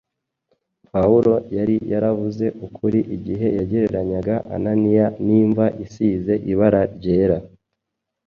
Pawulo yari yaravuze ukuri igihe yagereranyaga Ananiya n’imva isize ibara ryera.